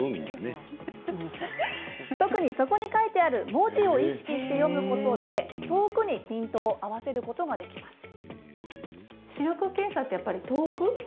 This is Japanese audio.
特に、そこに書いてある文字を意識して読むことで遠くにピントを合わせることができます。